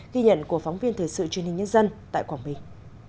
ghi nhận của phóng viên thời sự truyền hình nhân dân tại quảng bình